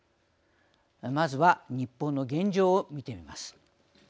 まずは日本の現状を見てみます。